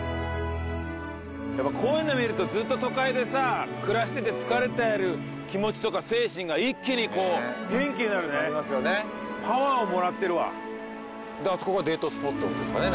やっぱりこういうの見るとずっと都会でさあ暮らしてて疲れている気持ちとか精神が一気にこう元気になるねなりますよねであそこがデートスポットですかね